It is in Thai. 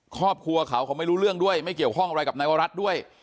ครอบครัวเขาเขาไม่รู้เรื่องด้วยไม่เกี่ยวข้องอะไรกับนายวรัฐด้วย